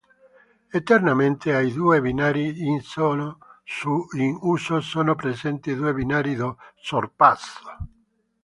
Esternamente ai due binari in uso sono presenti due binari di sorpasso.